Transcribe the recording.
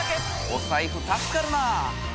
お財布助かるなぁ。